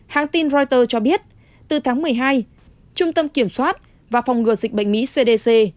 hãng tin reuters cho biết từ tháng một mươi hai trung tâm kiểm soát và phòng ngừa dịch bệnh mỹ cdc